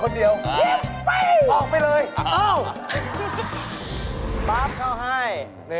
นี่